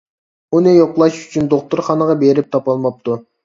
ئۇنى يوقلاش ئۈچۈن دوختۇرخانىغا بېرىپ تاپالماپتۇ.